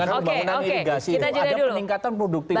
dengan pembangunan irigasi itu ada peningkatan produktif